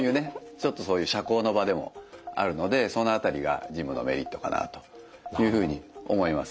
ちょっとそういう社交の場でもあるのでその辺りがジムのメリットかなというふうに思います。